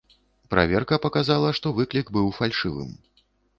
Праверка паказала, што выклік быў фальшывым.